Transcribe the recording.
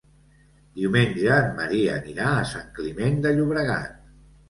Diumenge en Maria anirà a Sant Climent de Llobregat.